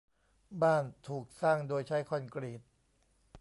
บ้านถูกสร้างโดยใช้คอนกรีต